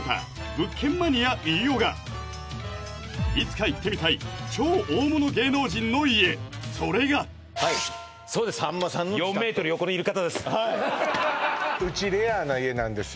物件マニア飯尾がいつか行ってみたい超大物芸能人の家それがはいさんまさんの自宅ですそうです